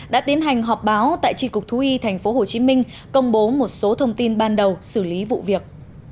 đã tiến hành họp báo tại trị cục thú y tp hcm công bố một số thông tin ban đầu xử lý vụ việc